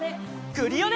クリオネ！